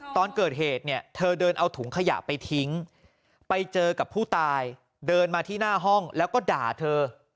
ตอนเกิดเหตุเนี่ยเธอเดินเอาถุงขยะไปทิ้งไปเจอกับผู้ตายเดินมาที่หน้าห้องแล้วก็ด่าเธอ